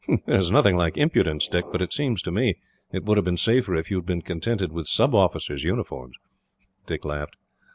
There is nothing like impudence, Dick, but it seems to me it would have been safer if you had been contented with sub officers' uniforms." Dick laughed.